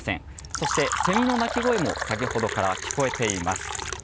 そして、セミの鳴き声も先ほどから聞こえています。